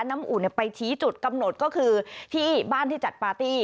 อุ่นไปชี้จุดกำหนดก็คือที่บ้านที่จัดปาร์ตี้